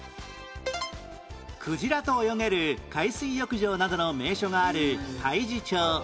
クジラと泳げる海水浴場などの名所がある太地町